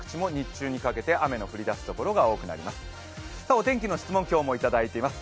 お天気の質問を今日もいただいています